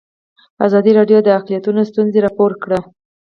ازادي راډیو د اقلیتونه ستونزې راپور کړي.